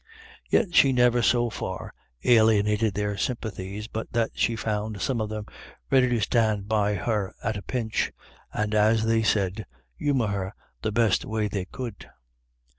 Yet she never so far alienated their sympathies but that she found some of them ready to stand b/ her at a pinch, and, as they said, " humour her tic best way they could."